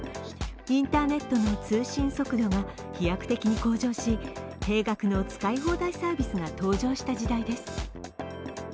インターネットの通信速度が飛躍的に向上し定額の使い放題サービスが登場した時代です。